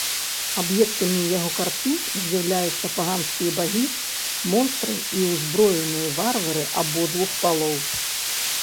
Аб'ектамі яго карцін з'яўляюцца паганскія багі, монстры і ўзброеныя варвары абодвух палоў.